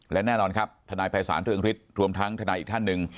และแน่นอนครับธนายภายศาสนธุรกิจรวมทั้งธนายอีกท่านหนึ่ง